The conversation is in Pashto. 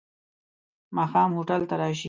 ماښام هوټل ته راشې.